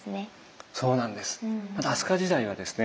そうなんです。